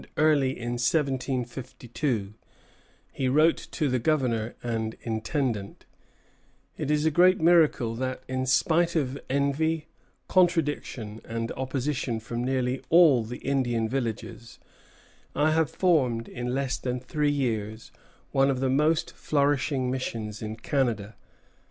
Piquet was elated by his success; and early in 1752 he wrote to the Governor and Intendant: "It is a great miracle that, in spite of envy, contradiction, and opposition from nearly all the Indian villages, I have formed in less than three years one of the most flourishing missions in Canada.